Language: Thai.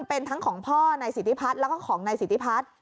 เป็นทั้งของพ่อในสิทธิพัสแล้วของในสิทธิพัส